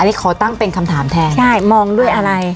นี่ขอตั้งเป็นคำถามแทนใช่มองด้วยอะไร